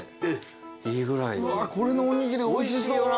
うわっこれのおにぎりおいしそう。